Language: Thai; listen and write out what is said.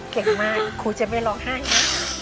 ครูจะไม่ร้องให้นะ